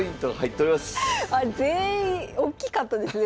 全員おっきかったですね